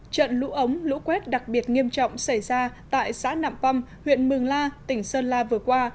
trận lũ ống lũ quét đặc biệt nghiêm trọng xảy ra tại xã nạm păm huyện mường la tỉnh sơn la vừa qua